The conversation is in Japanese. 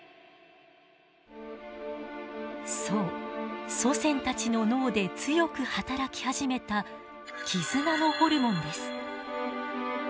そう祖先たちの脳で強く働き始めた絆のホルモンです。